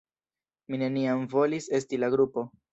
Mi neniam volis "esti" la grupo.